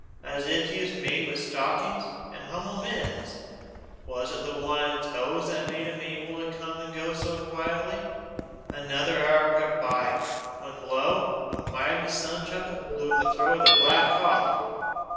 as if he was made with stockings, and hum'le mittens! Was it the want of toes that made him able to come and go so quietly? Another hour crept by; when lo, a mighty sun trumpet blew in the throat of the black cock!